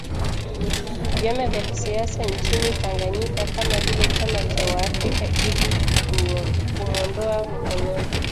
vyama vya kisiasa nchini Tanganyika kama vile Chama Cha Waafrika ili kumwondoa mkoloni